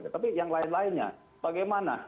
tapi yang lain lainnya bagaimana